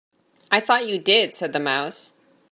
‘I thought you did,’ said the Mouse.